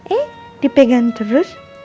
eh dipegang terus